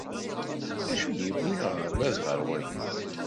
D acu d-yewwin aɣerbaz ɣer waya?